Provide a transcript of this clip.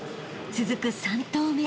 ［続く３投目］